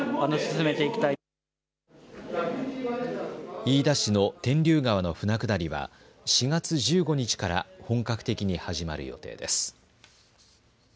飯田市の天竜川の舟下りは４月１５日から本格的に始まる予定です。